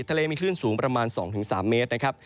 ทะเลมีคลื่นสูงประมาณ๒๓เมตร